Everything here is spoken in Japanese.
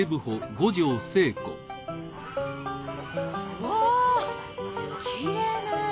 うわきれいね。